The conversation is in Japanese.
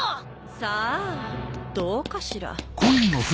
さあどうかしら。